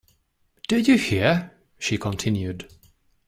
'Do you hear?’ she continued.